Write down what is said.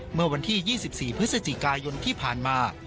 เมื่อวันที่๒๔พฤศจิกายนที่ผ่านมา